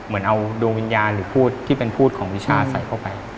เหมือนเอาดวงวิญญาณหรือพูดที่เป็นพูดของวิชาใส่เข้าไป